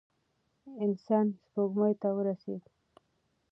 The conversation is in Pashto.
انسان سپوږمۍ ته ورسېد.